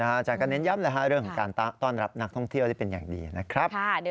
อาจารย์ก็เน้นย้ำเรื่องของการต้อนรับนักท่องเที่ยวได้เป็นอย่างดีนะครับ